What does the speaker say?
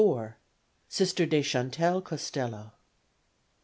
Sister De Chantal Costello.